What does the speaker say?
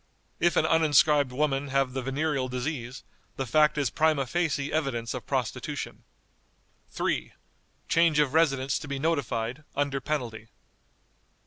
If an uninscribed woman have the venereal disease, the fact is prima facie evidence of prostitution." "3. Change of residence to be notified, under penalty."